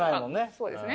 そうですね。